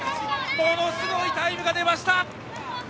ものすごいタイムが出ました！